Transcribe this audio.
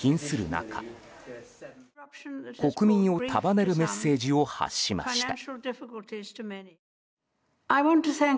中国民を束ねるメッセージを発しました。